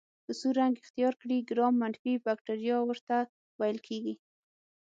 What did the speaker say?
که سور رنګ اختیار کړي ګرام منفي بکټریا ورته ویل کیږي.